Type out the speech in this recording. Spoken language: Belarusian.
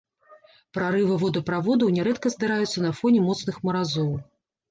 Прарывы водаправодаў нярэдка здараюцца на фоне моцных маразоў.